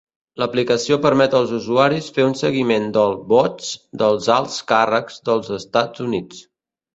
L'aplicació permet als usuaris fer un seguiment del vots dels alts càrrecs dels Estats Units.